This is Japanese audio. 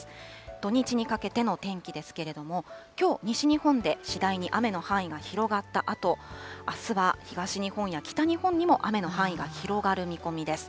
土日にかけての天気ですけれども、きょう、西日本で次第に雨の範囲が広がったあと、あすは東日本や北日本にも雨の範囲が広がる見込みです。